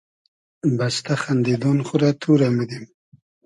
بئستۂ خئندیدۉن خو رۂ تو رۂ میدیم